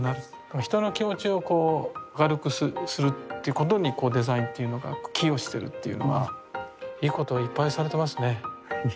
人の気持ちを明るくするっていうことにデザインが寄与してるっていうのはいいことをいっぱいされてますね。